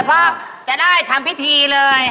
เพราะจะได้ทำพิธีเลย